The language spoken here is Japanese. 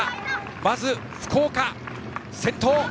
まず福岡が先頭。